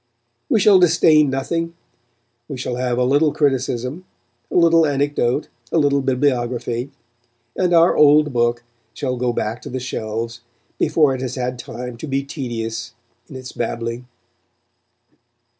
We shall disdain nothing; we shall have a little criticism, a little anecdote, a little bibliography; and our old book shall go back to the shelves before it has had time to be tedious in its babbling.